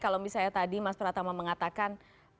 kalau misalnya tadi mas pratama mengatakan